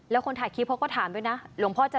แล้วคนถาดคลิปพวกเขาถามด้วยนะจะ